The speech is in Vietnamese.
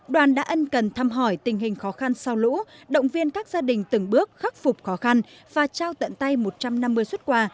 đoàn đã ân cần thăm hỏi tình hình khó khăn sau lũ động viên các gia đình từng bước khắc phục khó khăn và trao tận tay một trăm năm mươi xuất quà